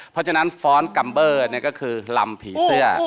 เพราะฉะนั้นฟ้อนกัมเบอร์นี่ก็คือลำผีเสื้อ